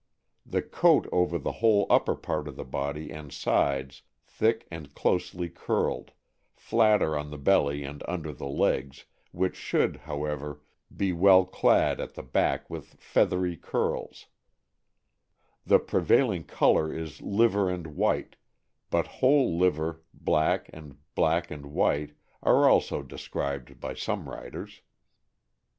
The coat over the whole upper part of the body and sides thick and closely curled, flatter on the belly and under the legs, which should, however, be well clad at the back with feathery curls; the prevailing color is liver and white, but whole liver, black, and black and white, are also described by some writers.